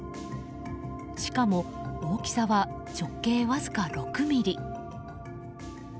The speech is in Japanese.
しかも大きさは直径わずか６ｍｍ。